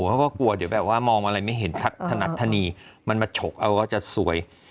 เขาก็กลัวเดี๋ยวแบบว่ามองอะไรไม่เห็นถนัดธนีมันมาฉกเอาก็จะสวย